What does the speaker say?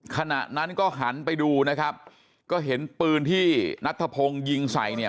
ขณะนั้นก็หันไปดูนะครับก็เห็นปืนที่นัทธพงศ์ยิงใส่เนี่ย